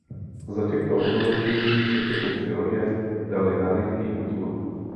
Za těchto okolností se všechny tři lodě daly na rychlý ústup.